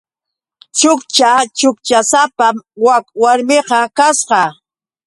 Chukcha chukchasapam wak warmiqa kasqa.